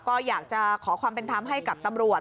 ก็อยากจะขอความเป็นธรรมให้กับตำรวจ